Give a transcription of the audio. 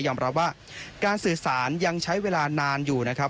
รับว่าการสื่อสารยังใช้เวลานานอยู่นะครับ